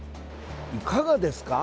いかがですか？